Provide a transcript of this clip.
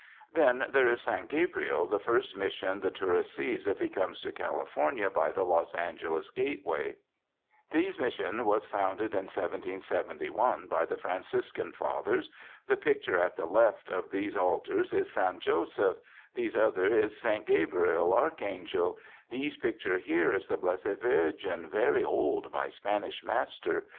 Then there is San Gabriel, the first Mission the tourist sees if he comes to California by the Los Angeles gateway. "These Mission was found in 1771 by the Fran ciscan Fathers. The picture at the left of these altar is Saint Joseph, these other is Saint Gabriel Archangel ; these picture here is the Blessed Virgin, very old by Spanish master.